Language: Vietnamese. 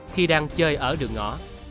khi đang chơi ở đường ngõ